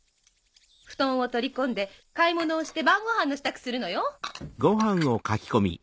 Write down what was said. フトンを取り込んで買い物をして晩ごはんの支度するのよ？